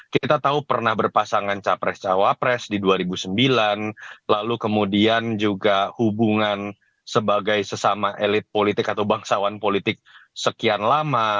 kita tahu pernah berpasangan capres cawapres di dua ribu sembilan lalu kemudian juga hubungan sebagai sesama elit politik atau bangsawan politik sekian lama